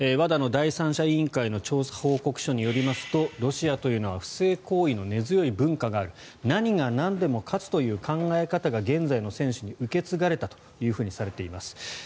ＷＡＤＡの第三者委員会の調査報告書によりますとロシアというのは不正行為の根強い文化がある何がなんでも勝つという考え方が現在の選手に受け継がれたとされています。